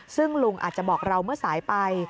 ซึ่งลุงอาจจะบอกเราเมื่อสายไป